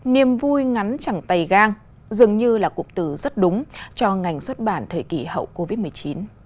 niềm vui ngắn chẳng tay gan dường như là cuộc từ rất đúng cho ngành xuất bản thời kỳ hậu covid một mươi chín